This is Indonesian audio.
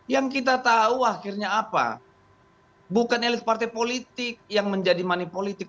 yang kita tahu akhirnya apa bukan elit partai politik yang menjadi money politik